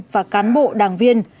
và cán bộ đảng viên